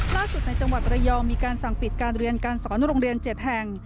ในจังหวัดระยองมีการสั่งปิดการเรียนการสอนโรงเรียน๗แห่ง